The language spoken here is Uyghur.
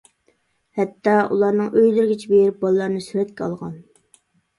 ھەتتا ئۇلارنىڭ ئۆيلىرىگىچە بېرىپ بالىلارنى سۈرەتكە ئالغان.